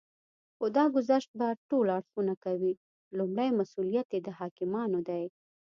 خو دا ګذشت به ټول اړخونه کوي. لومړی مسئوليت یې د حاکمانو دی